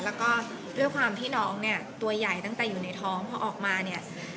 แล้วก็ด้วยความที่น้องเนี่ยตัวใหญ่ตั้งแต่อยู่ในท้องพอออกมาเนี่ย